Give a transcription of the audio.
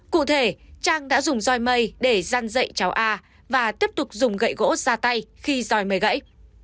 cụ thể trang đã dùng dòi mây để gian dậy cháu a và tiếp tục dùng gậy gỗ ra tay khi dòi mây gãy